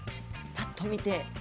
パッと見て。